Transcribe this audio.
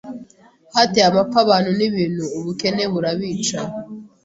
hateye amapfa abantu nibintu ubukene burabica